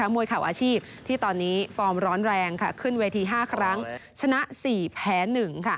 มวยเข่าอาชีพที่ตอนนี้ฟอร์มร้อนแรงขึ้นเวที๕ครั้งชนะ๔แพ้๑